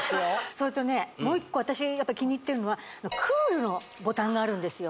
それとねもう１個私気に入ってるのはＣＯＯＬのボタンがあるんですよ